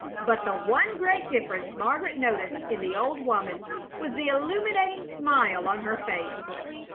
But the one great difference Margaret noticed in the old woman was the illuminating smile on her face.